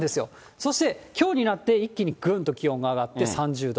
そしてきょうになって、一気にぐんと気温が上がって、３０度。